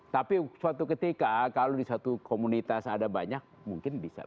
tapi suatu ketika kalau di satu komunitas ada banyak mungkin bisa